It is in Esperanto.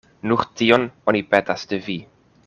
Nur tion oni petas de vi.